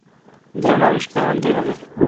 দারুণ আবিষ্কার মানতেই হবে!